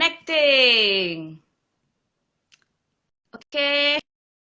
ekam grandi egg